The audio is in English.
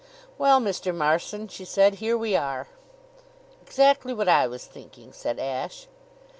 "Well, Mr. Marson," she said, "Here we are!" "Exactly what I was thinking," said Ashe.